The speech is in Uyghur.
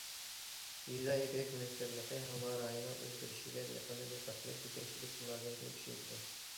يېزا ئىگىلىك مىنىستىرلىقى ھاۋا رايىنىڭ ئۆزگىرىشىگە يېقىندىن دىققەت قىلىپ، يېتەكچىلىك مۇلازىمىتىنى كۈچەيتىدۇ.